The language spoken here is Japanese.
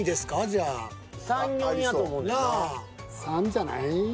３じゃない？